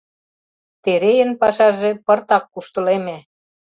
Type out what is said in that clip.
Терейын пашаже пыртак куштылеме.